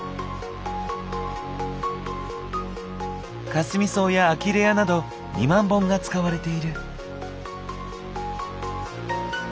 かすみ草やアキレアなど２万本が使われている。